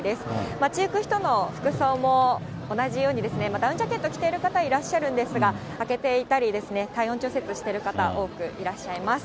待ち行く人の服装も同じように、ダウンジャケットを着ている方、いらっしゃるんですけど、開けていたりですね、体温調節している方、多くいらっしゃいます。